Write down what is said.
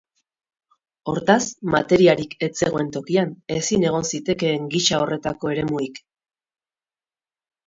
Hortaz, materiarik ez zegoen tokian, ezin egon zitekeen gisa horretako eremurik.